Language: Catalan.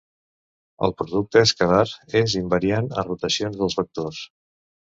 El producte escalar és invariant a rotacions dels vectors.